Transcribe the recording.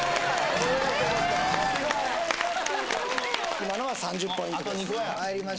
今のは３０ポイントです